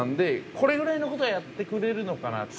これぐらいのことはやってくれるのかなって。